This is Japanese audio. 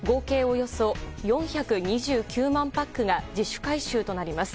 およそ４２９万パックが自主回収となります。